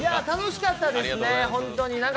楽しかったですね、本当に。